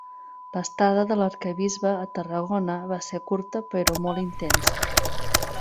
L'estada de l'Arquebisbe a Tarragona va ser curta però molt intensa.